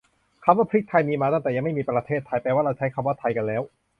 คำว่าพริกไทยมีมาตั้งแต่ยังไม่มีประเทศไทย แปลว่าเราใช้คำว่าไทยกันแล้ว